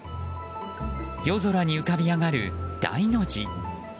夜空に浮かび上がる、大の字。